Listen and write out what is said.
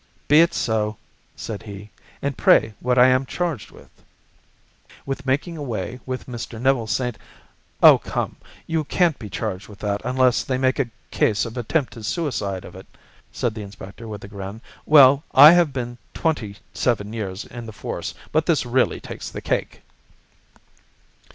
"Be it so," said he. "And pray what am I charged with?" "With making away with Mr. Neville St.— Oh, come, you can't be charged with that unless they make a case of attempted suicide of it," said the inspector with a grin. "Well, I have been twenty seven years in the force, but this really takes the cake."